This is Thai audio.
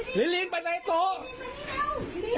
ลิลิไปใต้โต๊ะ